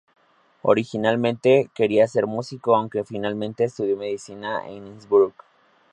Originalmente quería ser músico, aunque finalmente estudió medicina en Innsbruck.